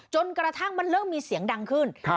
จนกระทั่งมันเริ่มมีเสียงดังขึ้น